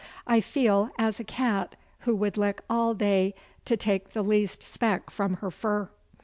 I feel as a cat who would lick all day to take the least speck from her fur.